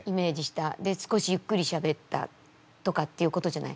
で少しゆっくりしゃべったとかっていうことじゃない。